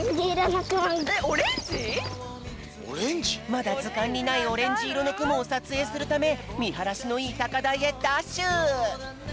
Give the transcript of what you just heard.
まだずかんにないオレンジいろのくもをさつえいするためみはらしのいいたかだいへダッシュ！